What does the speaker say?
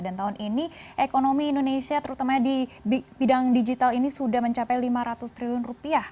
dan tahun ini ekonomi indonesia terutama di bidang digital ini sudah mencapai lima ratus triliun rupiah